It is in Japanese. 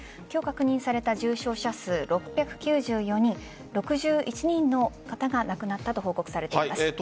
今日確認された重症者数、６９４人６１人の方が亡くなったと報告されています。